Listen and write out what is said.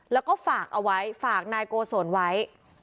แล้วก็ฝากเอาไว้ฝากนายโกศลไว้